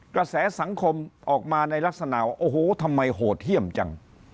กระแสสังคมออกมาในลักษณะว่าโอ้โหทำไมโหดเยี่ยมจัง